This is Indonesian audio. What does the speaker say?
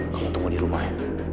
kamu tunggu di rumah